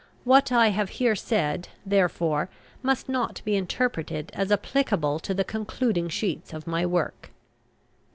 What I have here said, therefore, must not be interpreted as applicable to the concluding sheets of my work.